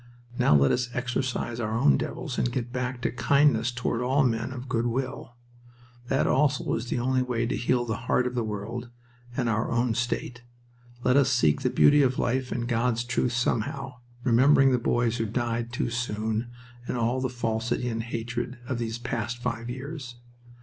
Now let us exorcise our own devils and get back to kindness toward all men of good will. That also is the only way to heal the heart of the world and our own state. Let us seek the beauty of life and God's truth somehow, remembering the boys who died too soon, and all the falsity and hatred of these past five years.